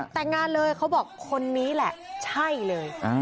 แต่งงานเลยเขาบอกคนนี้แหละใช่เลย